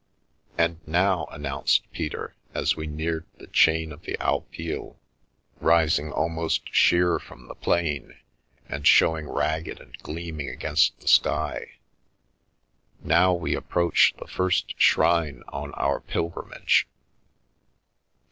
" And now," announced Peter, as we neared the chain of the Alpilles, rising almost sheer from the plain, and showing ragged and gleaming against the sky, " now we approach the first shrine on our pilgrimage."